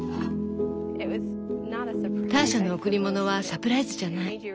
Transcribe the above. ターシャの贈り物はサプライズじゃない。